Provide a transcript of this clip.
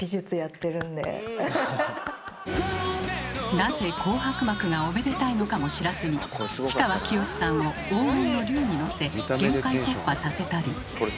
なぜ紅白幕がおめでたいのかも知らずに氷川きよしさんを黄金の竜に乗せ「限界突破」させたり。